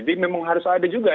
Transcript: jadi memang harus ada juga